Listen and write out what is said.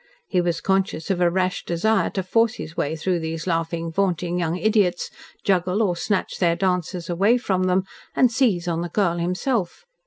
He was conscious of a rash desire to force his way through these laughing, vaunting young idiots, juggle or snatch their dances away from them, and seize on the girl himself.